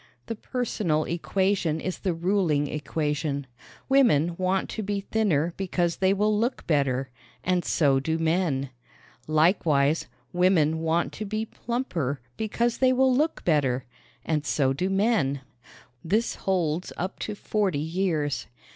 The personal equation is the ruling equation. Women want to be thinner because they will look better and so do men. Likewise, women want to be plumper because they will look better and so do men. This holds up to forty years.